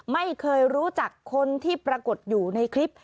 ไม่เคยรู้จักคนที่ปรากฏอยู่ในคลิป